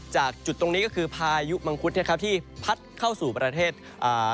จุดตรงนี้ก็คือพายุมังคุดเนี้ยครับที่พัดเข้าสู่ประเทศอ่า